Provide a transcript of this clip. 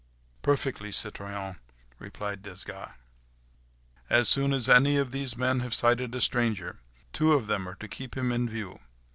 "Perfectly, citoyen," replied Desgas. "As soon as any of the men have sighted a stranger, two of them are to keep him in view.